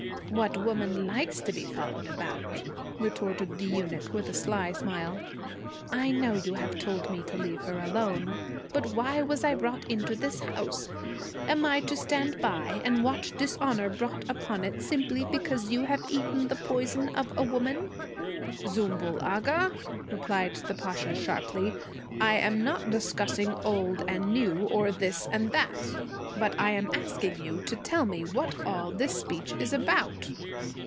'What woman likes to be followed about?' retorted the eunuch with a sly smile. 'I know you have told me to leave her alone. But why was I brought into this house? Am I to stand by and watch dishonor brought upon it simply because you have eaten the poison of a woman?' 'Zümbül Agha,' replied the Pasha sharply, 'I am not discussing old and new or this and that, but I am asking you to tell me what all this speech is about.'